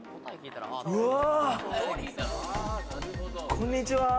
こんにちは。